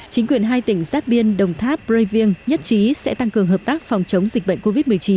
chính quyền hai tỉnh giáp biên đồng tháp braving nhất trí sẽ tăng cường hợp tác phòng chống dịch bệnh covid một mươi chín